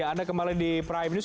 ya anda kembali di prime news